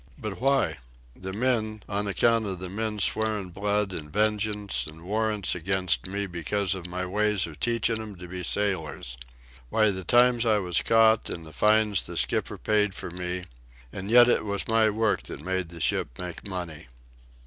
"But why?" "The men, on account of the men swearin' blood an' vengeance and warrants against me because of my ways of teachin' them to be sailors. Why, the times I was caught, and the fines the skipper paid for me—and yet it was my work that made the ship make money."